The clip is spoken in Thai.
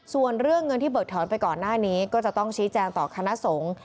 ส่วนเรื่องเงินที่เบิกถอนไปก่อนหน้านี้ก็จะต้องชี้แจงต่อคณะสงฆ์